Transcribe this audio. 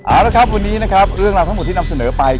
เอาละครับวันนี้นะครับเรื่องราวทั้งหมดที่นำเสนอไป